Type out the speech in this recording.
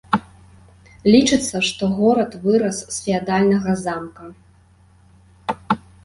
Лічацца, што горад вырас з феадальнага замка.